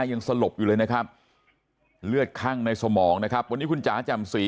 ยังสลบอยู่เลยนะครับเลือดคั่งในสมองนะครับวันนี้คุณจ๋าแจ่มสี